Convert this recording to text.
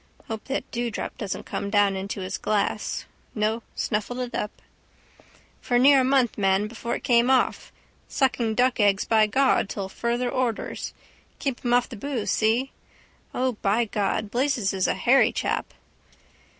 Hope that dewdrop doesn't come down into his glass. No, snuffled it up. —For near a month, man, before it came off. Sucking duck eggs by God till further orders. Keep him off the boose, see? O, by God, Blazes is a hairy chap.